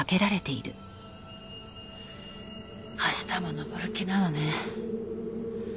明日も登る気なのね。